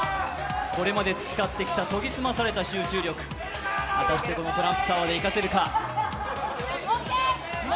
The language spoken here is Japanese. これまで培ってきた研ぎ澄まされた集中力トランプタワーで生かせるか。